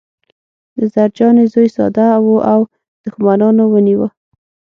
د زرجانې زوی ساده و او دښمنانو ونیوه